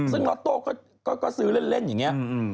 ซึ่งล็อตโต้ก็ซื้อเล่นอย่างนี้